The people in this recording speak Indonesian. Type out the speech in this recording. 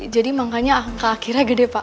jadi makanya angka akhirnya gede pak